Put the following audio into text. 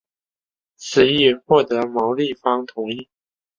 此议获得毛利方同意。